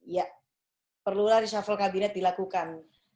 ya perlulah reshuffle kabinet dilakukan